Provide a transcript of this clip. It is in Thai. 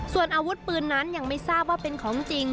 ส่วนอาวุธปืนนั้นยังไม่ทราบว่าเป็นของจริง